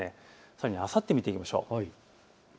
さらにあさってを見ていきましょう。